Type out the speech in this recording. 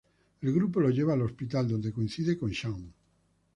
El grupo lo lleva al hospital donde coinciden con Shaun.